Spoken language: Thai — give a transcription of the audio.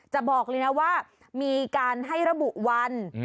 บอกเลยนะว่ามีการให้ระบุวัน